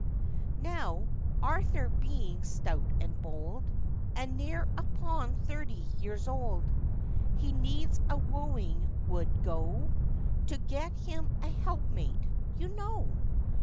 Now, Arthur being stout and bold, And near upon thirty years old, He needs a wooing would go, To get him a helpmate, you know.